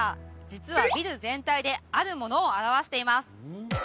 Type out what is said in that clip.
実はビル全体であるものを表しています